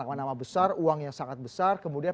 nama nama besar uang yang sangat besar kemudian